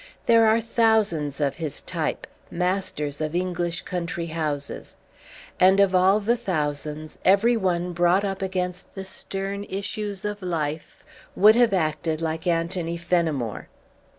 There are thousands of his type, masters of English country houses. And of all the thousands, every one brought up against the stern issues of life would have acted like Anthony Fenimore.